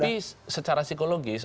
betul tetapi secara psikologis